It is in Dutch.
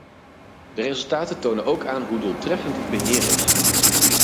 De resultaten tonen ook aan hoe doeltreffend het beheer is.